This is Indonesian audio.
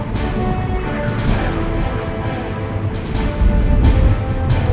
pegang mata dia